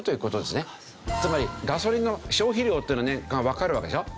つまりガソリンの消費量っていうのは年間わかるわけでしょ。